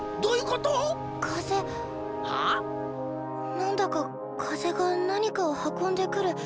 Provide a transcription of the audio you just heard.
何だか風が何かを運んでくる。